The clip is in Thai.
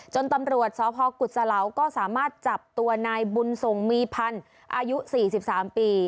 ตำรวจสพกุศลาวก็สามารถจับตัวนายบุญส่งมีพันธุ์อายุ๔๓ปี